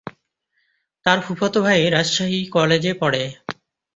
তার ফুফাতো ভাই রাজশাহী কলেজে পড়ে।